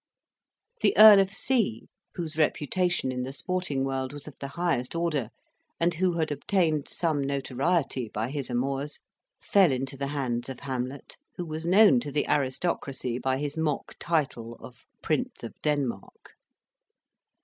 The Earl of C , whose reputation in the sporting world was of the highest order, and who had obtained some notoriety by his amours, fell into the hands of Hamlet, who was known to the aristocracy by his mock title of "Prince of Denmark."